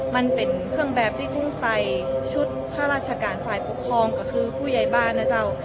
มันเป็นเครื่องแบบที่เพิ่งใส่ชุดข้าราชการฝ่ายปกครองก็คือผู้ใหญ่บ้านนะเจ้า